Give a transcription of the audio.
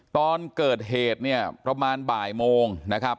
ตอนเกิดเหตุเนี่ยประมาณบ่ายโมงนะครับ